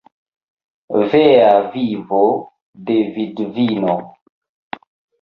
Vea vivo de vidvino.